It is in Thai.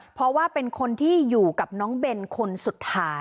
เพราะว่าเป็นคนที่อยู่กับน้องเบนคนสุดท้าย